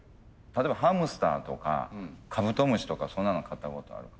例えばハムスターとかカブトムシとかそんなの飼ったことある？